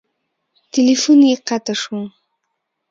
تیلفون یې قطع شو.